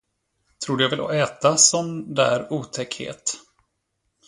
Tror du jag vill äta sådan där otäckhet?